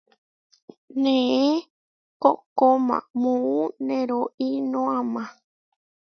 Neé koʼkóma muú neroínoama.